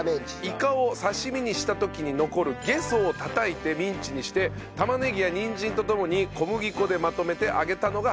イカを刺し身にした時に残るゲソをたたいてミンチにして玉ねぎやにんじんとともに小麦粉でまとめて揚げたのが始まり。